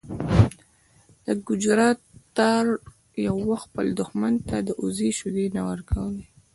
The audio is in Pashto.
د ګجرات تارړ یو وخت خپل دښمن ته د وزې شیدې نه ورکولې.